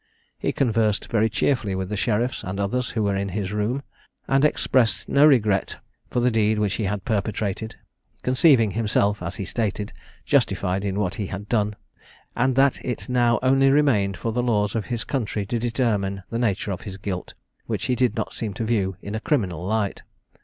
He conversed very cheerfully with the sheriffs and others who were in his room, and expressed no regret for the deed which he had perpetrated, conceiving himself, as he stated, justified in what he had done; and that it now only remained for the laws of his country to determine the nature of his guilt, which he did not seem to view in a criminal light.